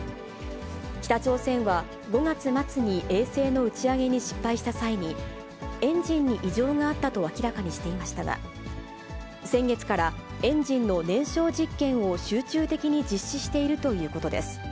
北朝鮮は、５月末に衛星の打ち上げに失敗した際に、エンジンに異常があったと明らかにしていましたが、先月から、エンジンの燃焼実験を集中的に実施しているということです。